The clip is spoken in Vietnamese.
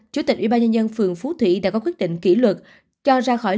chủ tịch ủy ban nhân dân phường phú thủy đã có quyết định kỷ luật cho ra khỏi